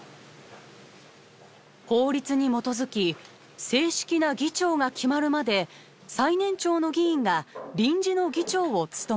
法律に基づき正式な議長が決まるまで最年長の議員が臨時の議長を務めます。